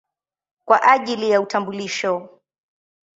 kwa ajili ya utambulisho.